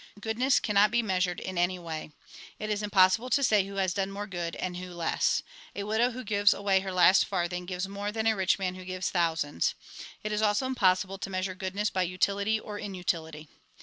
Goodness cannot be measured in any way. It is impossible to say who has done more good, and who less. A widow who gives away her last farthing gives more than a rich man who gives thousands. It is also impossible to measure goodness by utility or inutility.